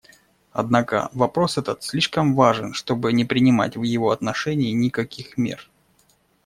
Однако вопрос этот слишком важен, чтобы не принимать в его отношении никаких мер.